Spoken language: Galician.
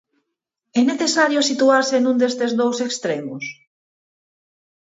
É necesario situarse nun destes dous extremos?